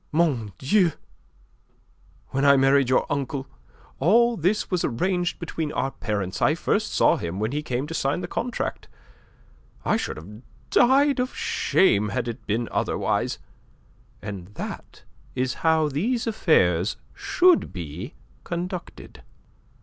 Mon Dieu! When I married your uncle, all this was arranged between our parents. I first saw him when he came to sign the contract. I should have died of shame had it been otherwise. And that is how these affairs should be conducted."